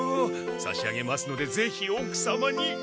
さし上げますのでぜひおくさまに。